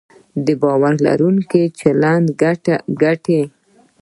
د باور لرونکي چلند ګټې